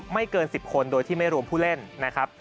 เกิน๑๐คนโดยที่ไม่รวมผู้เล่นนะครับ